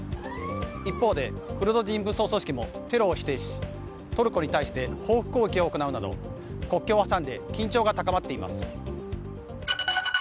一方で、クルド人武装組織もテロを否定し、トルコに対して報復攻撃を行うなど国境を挟んで緊張が高まっています。